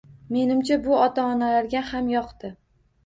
Menimcha, bu ota -onalarga ham yoqdi